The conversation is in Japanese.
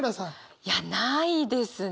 いやないですね。